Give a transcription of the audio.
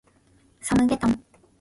サムゲタン